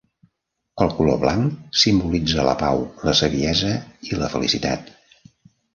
El color blanc simbolitza la pau, la saviesa i la felicitat.